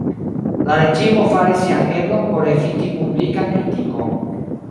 La reĝimo faris sian eblon por eviti publikan kritikon.